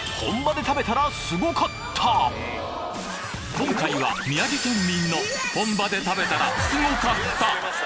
今回は宮城県民の本場で食べたらスゴかった！？